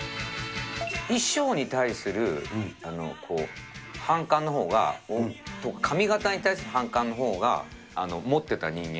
衣装に対する反感のほうが、髪形に対する反感のほうが持ってた人間。